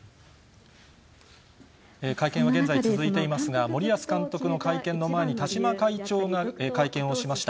会見は現在続いていますが、森保監督の会見の前に田嶋会長が会見をしました。